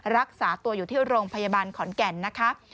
รักษาตัวอยู่ที่โรงพยาบาลขอนแก่นนะคะ